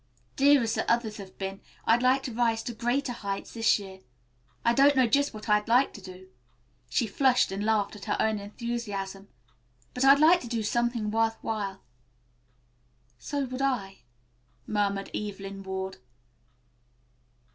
Dear as the others have been, I'd like to rise to greater heights this year. I don't know just what I'd like to do," she flushed and laughed at her own enthusiasm, "but I'd like to do something worth while." "So would I," murmured Evelyn Ward.